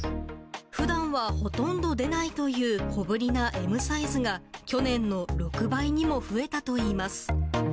ふだんはほとんど出ないという小ぶりなＭサイズが、去年の６倍にも増えたといいます。